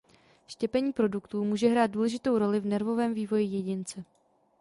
Štěpení produktů může hrát důležitou roli v nervovém vývoji jedince.